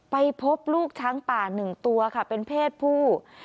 ไปพบลูกช้างป่า๑ตัวค่ะเป็นเพศผู้